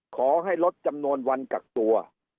ขอให้ลดจำนวนวันกักตัว